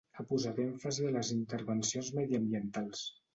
Ha posat èmfasi a les intervencions mediambientals.